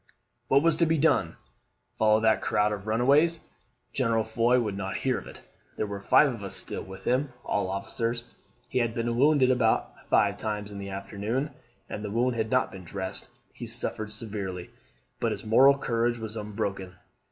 "What was to be done? Follow that crowd of runaways? General Foy would not hear of it. There were five of us still with him, all officers. He had been wounded at about five in the afternoon, and the wound had not been dressed. He suffered severely; but his moral courage was unbroken.